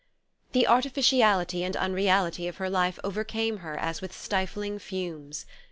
The artificiality and unreality of her life overcame her as with stifling fumes.